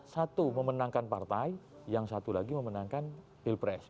satu memenangkan partai yang satu lagi memenangkan pilpres